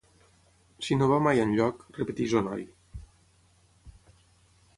Si no va mai enlloc —repeteix el noi—.